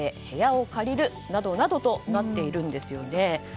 部屋を借りるなどなどとなっているんですよね。